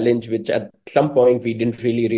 yang pada suatu saat kita tidak benar benar menyadari